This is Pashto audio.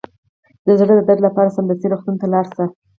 د زړه د درد لپاره سمدستي روغتون ته لاړ شئ